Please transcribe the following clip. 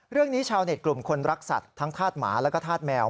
เรื่องนี้ชาวเน็ตกลุ่มคนรักษัตริย์ทั้งธาตุหมาและธาตุแมว